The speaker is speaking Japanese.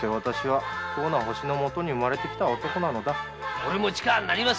俺も力になります。